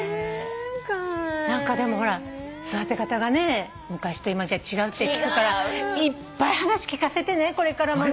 何かでも育て方が昔と今じゃ違うって聞くからいっぱい話聞かせてこれからも。